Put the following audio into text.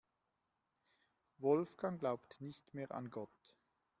Wolfgang glaubt nicht mehr an Gott.